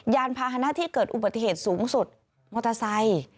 ยานพาหนะที่เกิดอุบัติเหตุสูงสุดมอเตอร์ไซค์